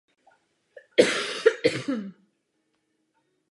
Philip zde postavil také pilu a mlýn na obilí.